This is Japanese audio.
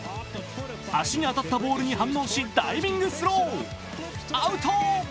足に当たったボールに反応しダイビングスロー、アウト！